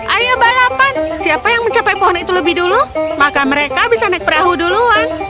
ayo balapan siapa yang mencapai pohon itu lebih dulu maka mereka bisa naik perahu duluan